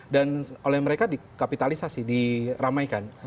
dan oleh mereka dikapitalisasi diramaikan